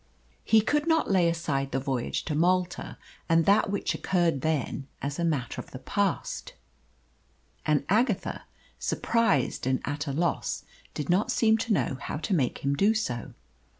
He could not lay aside the voyage to Malta and that which occurred then as a matter of the past; and Agatha, surprised and at a loss, did not seem to know how to make him do so.